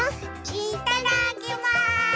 いただきます！